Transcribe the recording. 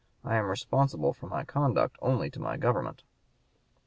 I am responsible for my conduct only to my government!'"